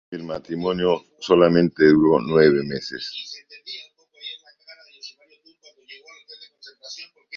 El matrimonio solamente duró nueve meses.